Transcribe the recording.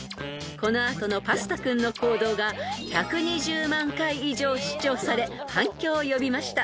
［この後のパスタ君の行動が１２０万回以上視聴され反響を呼びました］